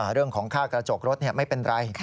เรื่องของค่ากระจกรถไม่เป็นไร